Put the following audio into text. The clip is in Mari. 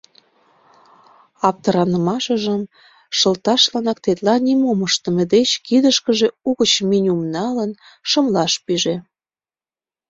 Аптыранымыжым шылташланак, тетла нимом ыштыме деч кидышкыже угыч менюм налын, шымлаш пиже.